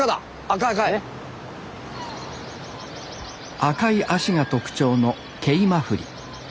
赤い足が特徴のケイマフリ。